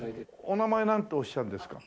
お名前なんておっしゃるんですか？